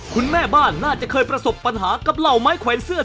คุณแม่บ้านน่าจะเคยประสบปัญหากับเหล่าไม้แขวนเสื้อ